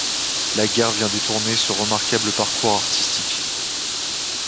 La guerre vient détourner ce remarquable parcours artistique.